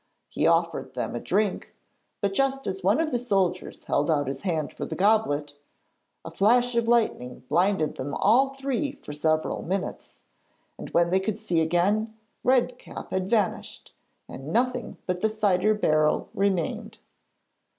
He offered them a drink, but just as one of the soldiers held out his hand for the goblet, a flash of lightning blinded them all three for several minutes, and when they could see again, Red Cap had vanished, and nothing but the cider barrel remained.'